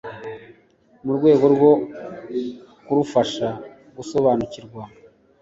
mu rwego rwo kurufasha gusobanukirwa